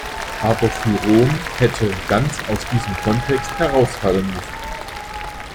Aber Fyrom hätte ganz aus diesem Kontext herausfallen müssen.